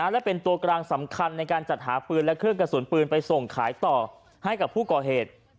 และเป็นตัวกลางสำคัญในการจัดหาปืนและเครื่องกระสุนปืนไปส่งขายต่อให้กับผู้ก่อเหตุ